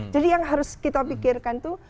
jadi yang harus kita pikirkan itu